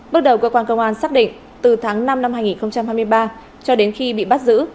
bước đầu cơ quan công an xác định từ tháng năm năm hai nghìn hai mươi ba cho đến khi bị bắt giữ